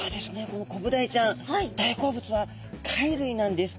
このコブダイちゃん大好物は貝類なんです。